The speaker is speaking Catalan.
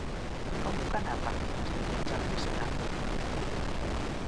Com puc anar a Pardines diumenge al vespre?